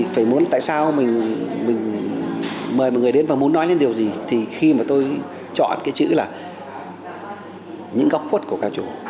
và muốn nói đến điều gì thì khi mà tôi chọn cái chữ là những góc khuất của ca trù